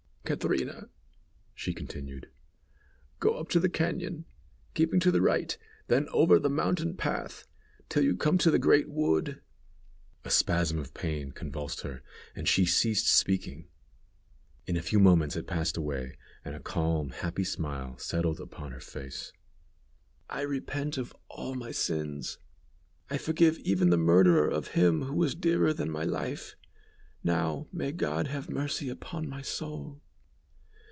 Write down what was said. "Catrina," she continued, "go up to the cañon, keeping to the right, then over the mountain path, till you come to the great wood." A spasm of pain convulsed her, and she ceased speaking. In a few moments it passed away, and a calm happy smile settled upon her face. "I repent of all my sins; I forgive even the murderer of him who was dearer than my life. Now, may God have mercy upon my soul."